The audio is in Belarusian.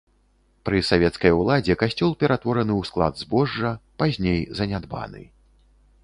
Пры савецкай уладзе касцёл ператвораны ў склад збожжа, пазней занядбаны.